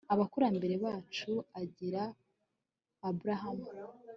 abakurambere bacu, agirira abrahamu